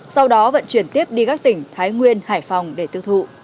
sau đó vận chuyển tiếp đi các tỉnh thái nguyên hải phòng để tiêu thụ